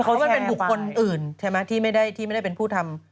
เขาว่ามันเป็นผู้คนอื่นที่ไม่ได้เป็นผู้ทำ